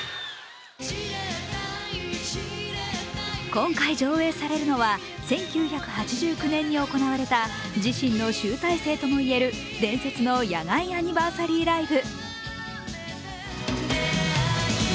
今回上映されるのは１９８９年に行われた自身の集大成ともいえる伝説の野外アニバーサリーライブ。